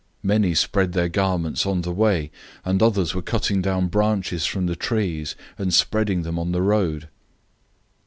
011:008 Many spread their garments on the way, and others were cutting down branches from the trees, and spreading them on the road.